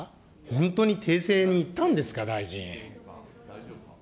本当に訂正に行ったんですか、大臣。